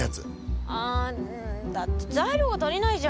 あだって材料が足りないじゃん。